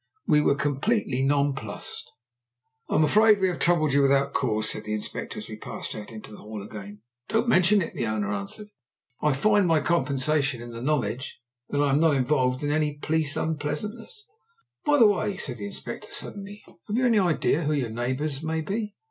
We were completely nonplussed. "I am afraid we have troubled you without cause," said the Inspector, as we passed out into the hall again. "Don't mention it," the owner answered; "I find my compensation in the knowledge that I am not involved in any police unpleasantness." "By the way," said the Inspector suddenly, "have you any idea who your neighbours may be?"